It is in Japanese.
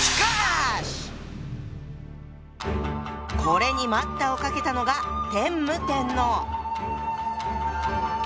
これに待ったをかけたのがえ？